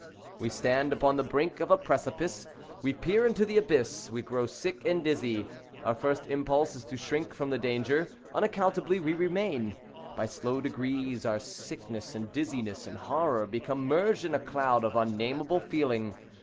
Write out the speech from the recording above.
We stand upon the brink of a precipice. We peer into the abyss—we grow sick and dizzy. Our first impulse is to shrink from the danger. Unaccountably we remain. By slow degrees our sickness and dizziness and horror become merged in a cloud of unnamable feeling.